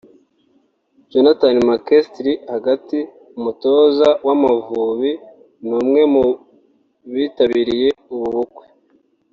Jonathan Mckinstry (hagati) umutoza w'Amavubi ni umwe mu bitabiriye ubu bukwe